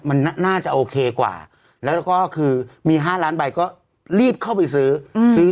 มันน่าจะโอเคกว่าแล้วก็คือมี๕ล้านใบก็รีบเข้าไปซื้อซื้อ